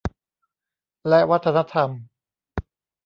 และวัฒนธรรม